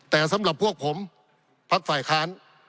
แต่สำหรับพวกผมพักฝ่ายค้าน